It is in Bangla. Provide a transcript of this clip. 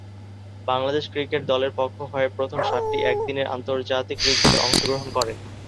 বাংলাদেশ ক্রিকেট দলের পক্ষ হয়ে প্রথম সাতটি একদিনের আন্তর্জাতিক ক্রিকেটে অংশগ্রহণ করেন।